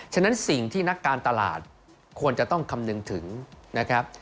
ฉะนั้นสิ่งที่นักการตลาดควรจะต้องคำนึงถึงนะครับ